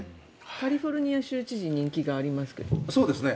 カリフォルニア州知事人気がありますが。